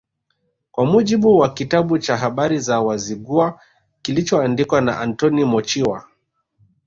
Kwa mujibu wa kitabu cha Habari za Wazigua kilichoandikwa na Antoni Mochiwa